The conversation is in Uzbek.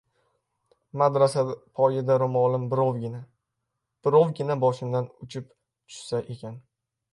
«Madrasa poyida ro‘molim birovgina... birovgina boshimdan uchib tushsa ekan»...